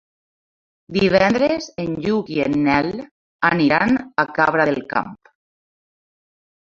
Divendres en Lluc i en Nel aniran a Cabra del Camp.